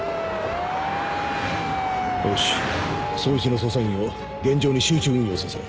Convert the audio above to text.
よし捜一の捜査員を現場に集中運用させろ。